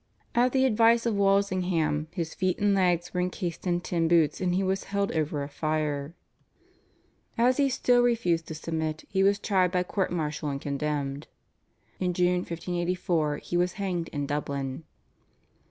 At the advice of Walsingham his feet and legs were encased in tin boots and he was held over a fire. As he still refused to submit he was tried by court martial and condemned. In June 1584 he was hanged in Dublin.